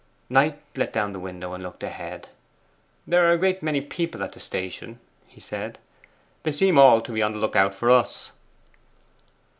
Knight let down the window, and looked ahead. 'There are a great many people at the station,' he said. 'They seem all to be on the look out for us.